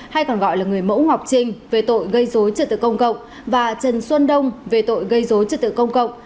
hay còn gọi là người mẫu ngọc trinh về tội gây dối trật tự công cộng và trần xuân đông về tội gây dối trật tự công cộng